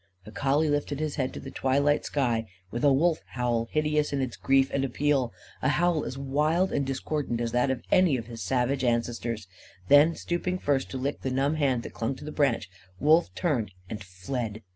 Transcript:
_" The collie lifted his head to the twilight sky with a wolf howl hideous in its grief and appeal a howl as wild and discordant as that of any of his savage ancestors. Then, stooping first to lick the numb hand that clung to the branch, Wolf turned and fled.